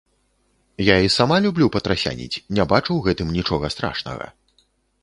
Я і сама люблю патрасяніць, не бачу ў гэтым нічога страшнага.